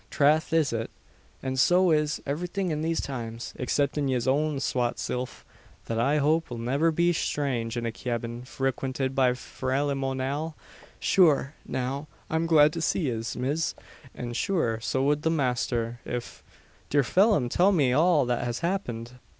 "Trath, is it. And so is iverything in these times, exciptin' yez own swate silf; that I hope will niver be sthrange in a cyabin frequinted by Phaylim Onale. Shure, now, I'm glad to see yez, miss; an shure so wud the masther, if " "Dear Phelim! tell me all that has happened."